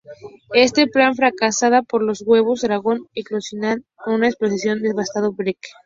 Este plan fracasa porque los huevos dragón eclosionan con una explosión, devastando Berk.